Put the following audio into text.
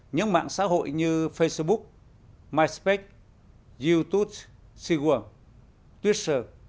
những mạng xã hội như facebook myspace youtube seaworld twitter